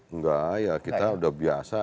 enggak ya kita udah biasa